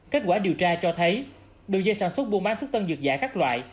kết quả điều tra cho thấy đồ dây sản xuất buôn bán thuốc tân dược dạy các loại